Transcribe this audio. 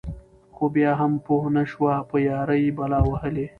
خو بيا هم پوهه نشوه په يــارۍ بلا وهــلې.